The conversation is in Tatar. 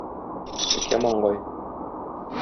Текә маңгай.